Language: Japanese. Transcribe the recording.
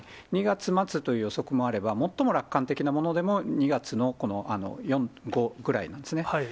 ２月末という予測もあれば、最も楽観的なものでも、２月の４、５ぐらいなんですね。